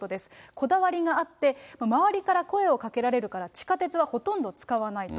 こだわりがあって、周りから声をかけられるから地下鉄はほとんど使わないと。